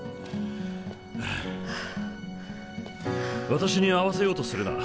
私に合わせようとするな。